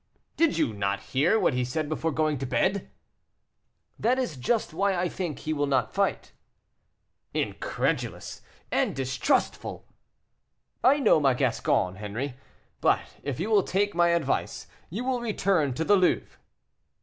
"Did you not hear what he said before going to bed?" "That is just why I think he will not fight." "Incredulous and distrustful!" "I know my Gasçon, Henri; but if you will take my advice, you will return to the Louvre."